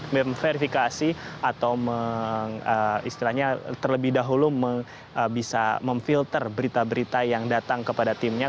memverifikasi atau istilahnya terlebih dahulu bisa memfilter berita berita yang datang kepada timnya